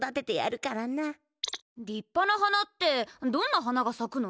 りっぱな花ってどんな花がさくの？